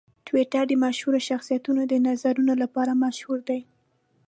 ټویټر د مشهورو شخصیتونو د نظرونو لپاره مشهور دی.